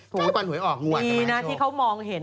ดีนะที่เขามองเห็น